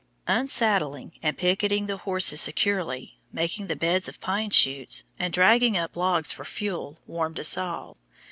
Unsaddling and picketing the horses securely, making the beds of pine shoots, and dragging up logs for fuel, warmed us all.